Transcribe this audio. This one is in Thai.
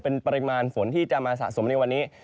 เป็นปริมาณฝนที่จะมาสะสมในวันนี้